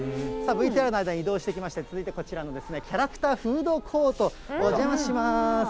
ＶＴＲの間に移動してきまして、続いてこっちにはキャラクターフードコート、お邪魔します。